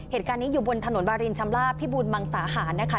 เหตุการณ์นี้อยู่บนถนนวารินชำลาบพิบูรมังสาหารนะคะ